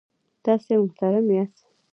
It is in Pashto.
تاسې محترم یاست.